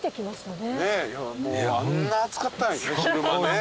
もうあんな暑かった昼間ね。